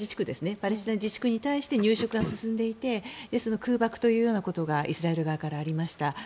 パレスチナ自治区に対して入植が進んでいてその空爆ということがイスラエル側からありました。